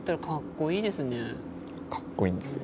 かっこいいんですよ。